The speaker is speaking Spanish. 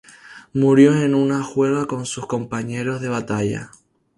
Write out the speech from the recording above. Murió en una juerga con sus compañeros de batalla.